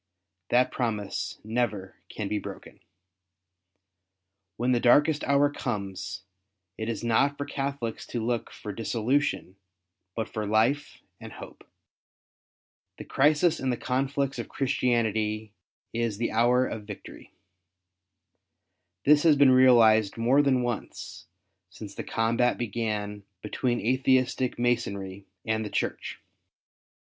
That promise never can be broken. When the darkest hour comes, it is not for Catholics to look for dissolution, but for life and hope. The crisis in the conflicts of Christianity is the hour of victory. This has been realized more than once since the combat began between Atheistic Masonry and the Church.